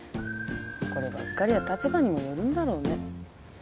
こればっかりは立場にもよるんだろうね。